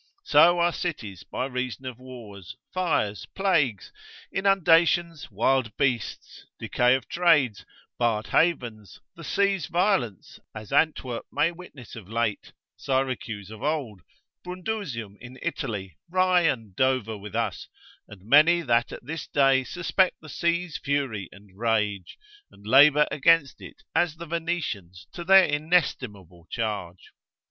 So are cities by reason of wars, fires, plagues, inundations, wild beasts, decay of trades, barred havens, the sea's violence, as Antwerp may witness of late, Syracuse of old, Brundusium in Italy, Rye and Dover with us, and many that at this day suspect the sea's fury and rage, and labour against it as the Venetians to their inestimable charge.